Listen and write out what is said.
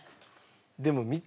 でも見て！